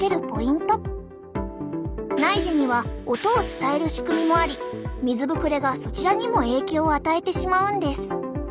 内耳には音を伝える仕組みもあり水ぶくれがそちらにも影響を与えてしまうんです。